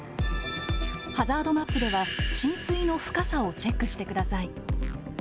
ハザードマップでは浸水の深さをチェックしてください。